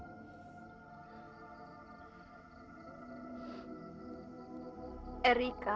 aku juga di wilayah ini tadi siang